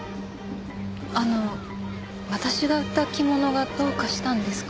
あの私が売った着物がどうかしたんですか？